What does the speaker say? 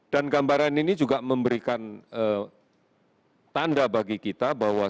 dan gambaran ini juga memberikan tanda bagi kita bahwa